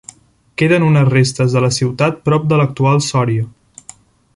Queden unes restes de la ciutat prop de l'actual Sòria.